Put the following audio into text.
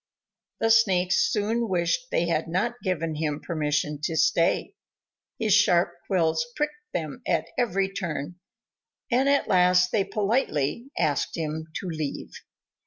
The Snakes soon wished they had not given him permission to stay. His sharp quills pricked them at every turn, and at last they politely asked him to leave.